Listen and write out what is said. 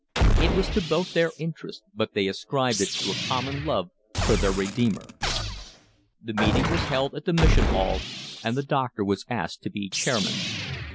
It was to both their interests, but they ascribed it to a common love for their Redeemer. The meeting was held at the Mission Hall, and the doctor was asked to be chairman.